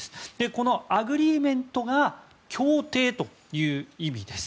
このアグリーメントが協定という意味です。